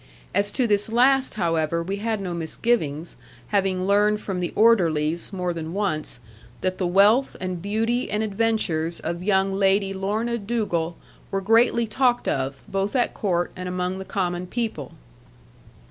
As to this last, however, we had no misgivings, having learned from the orderlies, more than once, that the wealth, and beauty, and adventures of young Lady Lorna Dugal were greatly talked of, both at court and among the common people.